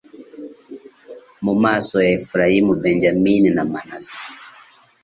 Mu maso ya Efurayimu Benyamini na Manase